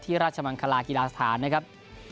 ราชมังคลากีฬาสถานนะครับ